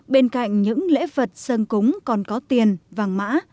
bên cạnh những lễ vật sân cúng còn có tiền vàng mã